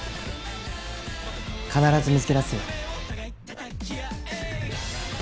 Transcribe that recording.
必ず見つけ出すよ。